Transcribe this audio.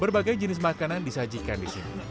berbagai jenis makanan disajikan di sini